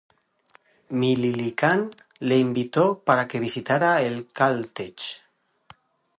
Millikan le invitó para que visitara el Caltech.